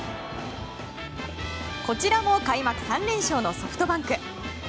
こちらも開幕３連勝のソフトバンク。